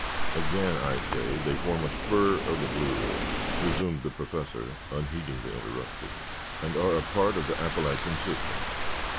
"Again I say, they form a spur of the Blue Ridge," resumed the Professor unheeding the interruption, "and are a part of the Appalachian system.